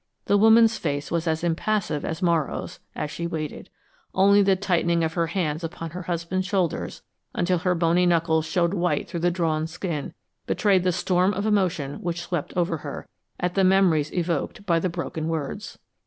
The woman's face was as impassive as Morrow's, as she waited. Only the tightening of her hands upon her husband's shoulders, until her bony knuckles showed white through the drawn skin, betrayed the storm of emotion which swept over her, at the memories evoked by the broken words.